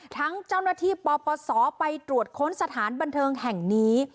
ทั้งเจ้าหน้าที่ปปศไปตรวจค้นสถานบันเทิงแห่งนี้